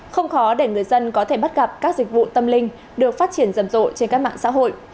không khó để người dân có thể bắt gặp các dịch vụ tâm linh được phát triển rầm rộ trên các mạng xã hội